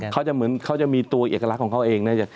เค้าจะเหมือนเค้าจะมีตัวเอกลักษณ์ของเค้าเองเนี่ย